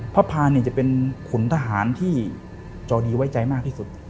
พาเนี่ยจะเป็นขุนทหารที่จอดีไว้ใจมากที่สุด